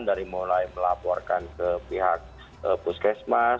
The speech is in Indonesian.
dari mulai melaporkan ke pihak puskesmas